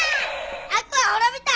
悪は滅びた！